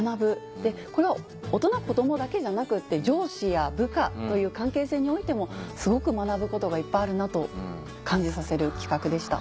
これは大人子どもだけじゃなくて上司や部下という関係性においてもすごく学ぶことがいっぱいあるなと感じさせる企画でした。